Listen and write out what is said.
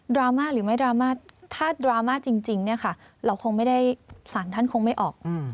ราม่าหรือไม่ดราม่าถ้าดราม่าจริงเนี่ยค่ะเราคงไม่ได้สารท่านคงไม่ออก